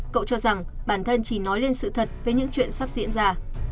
cậu cho rằng bản thân chỉ nói lên sự thật về những chuyện sắp diễn ra